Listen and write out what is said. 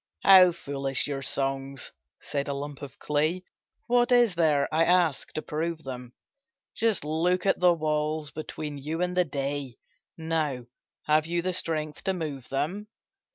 "How foolish your songs!" said a lump of clay; "What is there, I ask, to prove them? Just look at the walls between you and the day, Now, have you the strength to move them?"